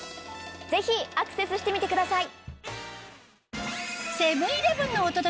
ぜひアクセスしてみてください！